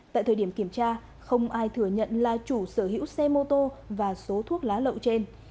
tại thời điểm kiểm tra không ai thừa nhận là chủ sở hữu xe mô tô và số thuốc lá lậu trên